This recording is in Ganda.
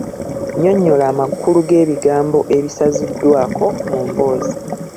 Nnyonnyola amakulu g’ebigambo ebisaziddwaako mu mboozi.